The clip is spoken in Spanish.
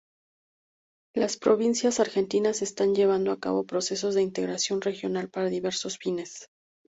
Las provincias argentinas están llevando a cabo procesos de integración regional para diversos fines.